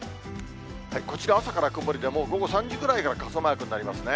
こちら朝から曇りで、もう午後３時ぐらいから傘マークになりますね。